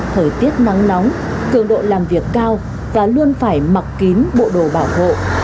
thời tiết nắng nóng cường độ làm việc cao và luôn phải mặc kín bộ đồ bảo hộ